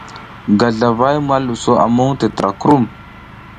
Gazlavay ma luso muŋ tətra krum.